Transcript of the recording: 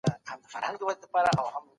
د شیطان وسوسې نه منل کېږي.